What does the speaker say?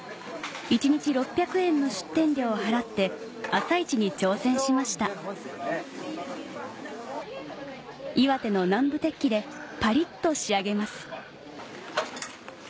一日６００円の出店料を払って朝市に挑戦しました岩手の南部鉄器でパリっと仕上げます